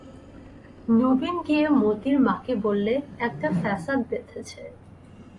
নবীন গিয়ে মোতির মাকে বললে, একটা ফ্যাসাদ বেধেছে।